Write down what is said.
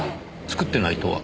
作ってないとは？